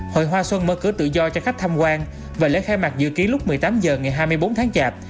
hội hoa xuân mở cửa tự do cho khách tham quan và lễ khai mạc dự ký lúc một mươi tám h ngày hai mươi bốn tháng chạp